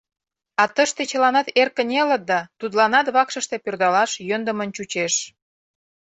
А тыште чыланат эр кынелыт да тудланат вакшыште пӧрдалаш йӧндымын чучеш.